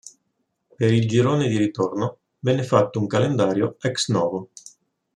Per il girone di ritorno venne fatto un calendario ex novo.